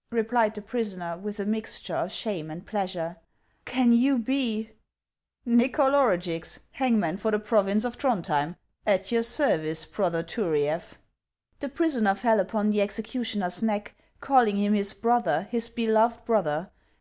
" replied the prisoner, with a mixture of shame and pleasure ;" can you be —"" Xychol Orugix, hangman for the province of Thrond hjem, at your service, brother Turiaf." The prisoner fell upon the executioner's neck, calling him his brother, his beloved brother.